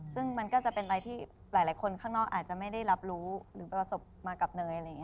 ซึ่งมันก็จะเป็นอะไรที่หลายคนข้างนอกอาจจะไม่ได้รับรู้หรือประสบมากับเนยอะไรอย่างนี้